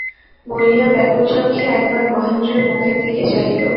বলিয়া ব্যাকুলচক্ষে একবার মহেন্দ্রের মুখের দিকে চাহিল।